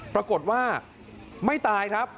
ปรากฏว่าไม่ตายครับ